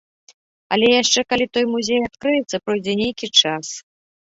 Але яшчэ калі той музей адкрыецца, пройдзе нейкі час.